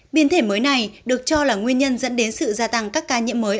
biến thể mới này được cho là nguyên nhân dẫn đến sự gia tăng các ca nhiễm mới